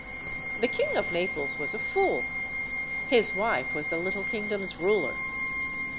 The King of Naples was a fool. His wife was the little kingdom's ruler.